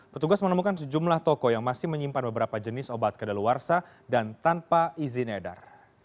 petugas menemukan sejumlah toko yang masih menyimpan beberapa jenis obat kedaluarsa dan tanpa izin edar